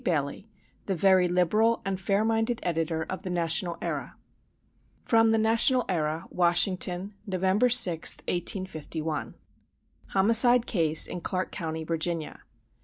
Bailey, the very liberal and fair minded editor of the National Era. From the National Era, Washington, November 6, 1851. HOMICIDE CASE IN CLARKE COUNTY, VIRGINIA.